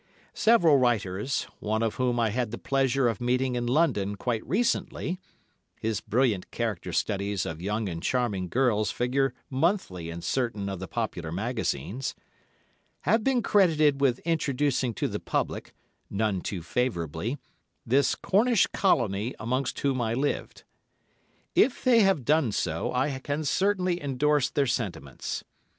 Several writers, one of whom I had the pleasure of meeting in London quite recently (his brilliant character studies of young and charming girls figure monthly in certain of the popular magazines), have been credited with introducing to the public, none too favourably, this Cornish Colony amongst whom I lived. If they have done so, I can certainly endorse their sentiments.